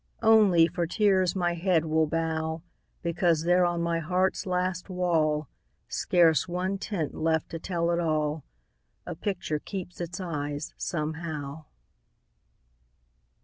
Only, for tears my head will bow, Because there on my heart's last wall, Scarce one tint left to tell it all, A picture keeps its eyes, somehow.